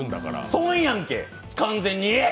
損やんけ、完全に！